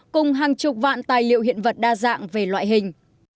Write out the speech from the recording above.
cùng hàng chục vạn tài liệu hiện vật đa dạng về loại hình